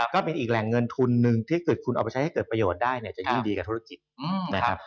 ก็เป็นอีกแหล่งเงินทุนหนึ่งที่เกิดคุณเอาไปใช้ให้เกิดประโยชน์ได้เนี่ยจะยิ่งดีกับธุรกิจนะครับ